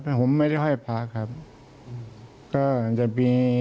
ครับผมไม่ได้ห้อยพะครับ